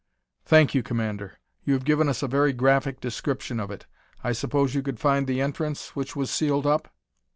"Thank you, Commander; you have given us a very graphic description of it. I suppose you could find the entrance which was sealed up?"